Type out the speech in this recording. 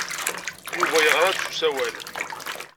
Yuba yeɣra-d s usawal.